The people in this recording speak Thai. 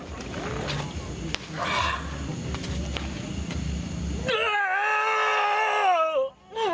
เดี๋ยวไหม